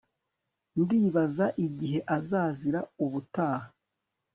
Ndibaza igihe azazira ubutaha